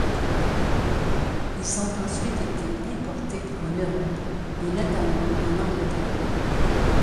Ils ont ensuite été importés en Europe et notamment en Angleterre.